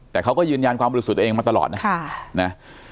แต่เขาก็ยืนยันความบริสุทธิ์ตัวเองมาตลอดนะ